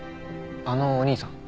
あのお兄さん？